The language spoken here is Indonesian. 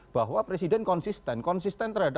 bahwa presiden konsisten konsisten terhadap